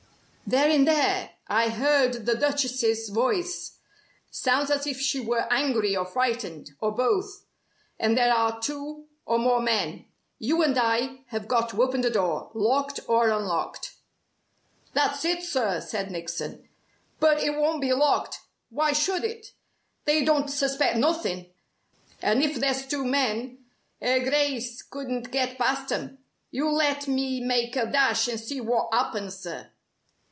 "They're in there! I heard the Duchess's voice. Sounds as if she were angry or frightened, or both. And there are two or more men. You and I have got to open the door, locked or unlocked." "That's it, sir!" said Nickson. "But it won't be locked. Why should it? They don't suspect nothin', and if there's two men, 'er Grice couldn't get past 'em. You let me make a dash and see wot 'appens, sir!"